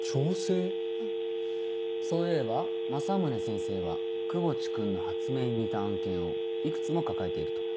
そういえば政宗先生は窪地君の発明に似た案件をいくつも抱えていると。